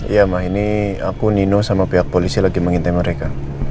iya mah ini aku nino sama pihak polisi lagi mengintai mereka